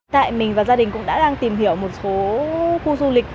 tại mình và gia đình cũng đã đang tìm hiểu một số khu du lịch